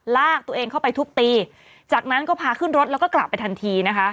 ลากตัวเองเข้าไปทุบตีจากนั้นก็พาขึ้นรถแล้วก็กลับไปทันทีนะคะ